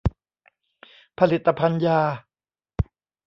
ผลิตภัณฑ์ยา